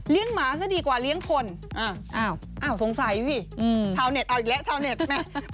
หมาซะดีกว่าเลี้ยงคนอ้าวสงสัยสิชาวเน็ตเอาอีกแล้วชาวเน็ตแม่